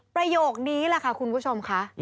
ประโยคนี้แหละค่ะคุณผู้ชมค่ะ